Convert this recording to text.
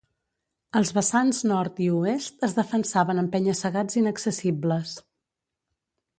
Els vessants nord i oest es defensaven amb penya-segats inaccessibles.